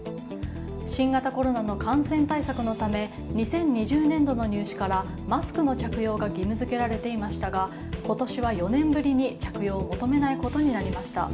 新型コロナの感染対策のため２０２０年度の入試からマスクの着用が義務付けられていましたが今年は４年ぶりに着用を求めないことになりました。